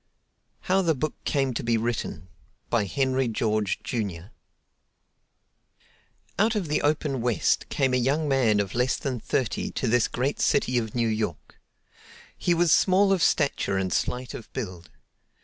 How the Book Came To Be Written by Henry George, Jr. Out of the open West came a young man of less than thirty to this great city of New York. He was small of stature and slight of build.